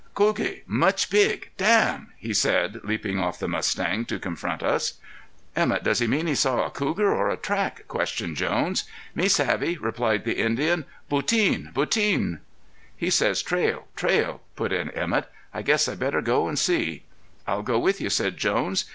"Cougie mucha big dam!" he said leaping off the mustang to confront us. "Emett, does he mean he saw a cougar or a track?" questioned Jones. "Me savvy," replied the Indian. "Butteen, butteen!" "He says, trail trail," put in Emett. "I guess I'd better go and see." "I'll go with you," said Jones.